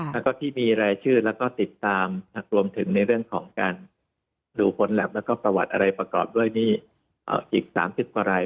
แล้วก็ที่มีรายชื่อแล้วก็ติดตามรวมถึงในเรื่องของการดูผลแล็บแล้วก็ประวัติอะไรประกอบด้วยนี่อีก๓๐กว่าราย